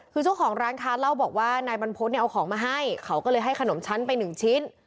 คือเจ้าของร้านค้าเล่าบอกว่านายบรรพฤษเนี่ยเอาของมาให้เขาก็เลยให้ขนมชั้นไปหนึ่งชิ้น